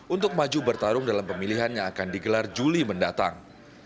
untuk maju bertarung dalam pemilihan yang akan digelar juli mendatang